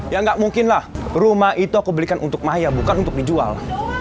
ya gak mungkin lah rumah itu aku belikan untuk maya bukan untuk dijual